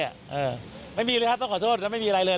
ไม่มีเลยครับต้องขอโทษแล้วไม่มีอะไรเลย